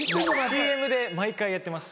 ＣＭで毎回やってます。